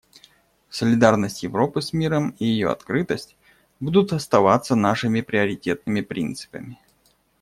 Солидарность Европы с миром и ее открытость будут оставаться нашими приоритетными принципами.